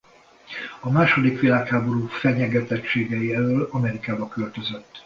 A második világháború fenyegetettségei elől Amerikába költözött.